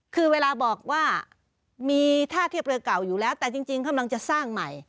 คือเวลาบอกว่ามีท่าเทียบเรือเก่าอยู่แล้วแต่จริงกำลังจะสร้างใหม่